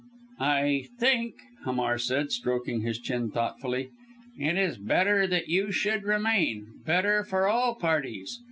"I think," Hamar said, stroking his chin thoughtfully, "it is better that you should remain better for all parties.